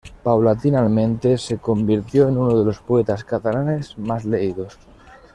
Paulatinamente se convirtió en uno de los poetas catalanes más leídos.